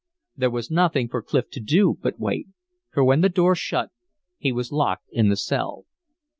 There was nothing for Clif to do but wait; for when the door shut he was locked in the cell.